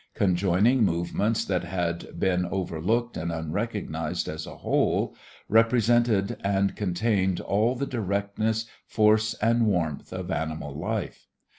Conjoining movements that had been overlooked and unrecognized as a whole, represented and contained all the directness, force and warmth of animal life.